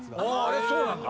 あれそうなんだ。